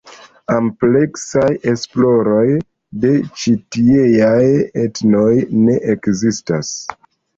Ampleksaj esploroj de ĉi tieaj etnoj ne ekzistas.